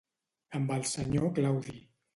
Amb el senyor Claudi.